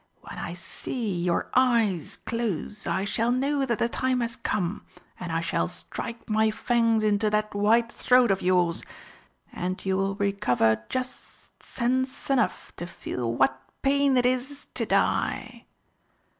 When I see your eyes close I shall know that the time has come, and I shall strike my fangs into that white throat of yours, and you will recover just sense enough to feel what pain it is to die!"